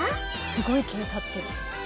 すごい毛が立ってる。